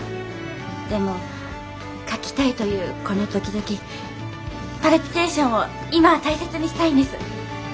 でも書きたいというこのドキドキパルピテーションを今は大切にしたいんです。